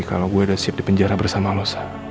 kalau gue udah siap dipenjara bersama lo sa